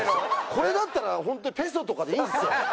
これだったら本当にペソとかでいいんですよ。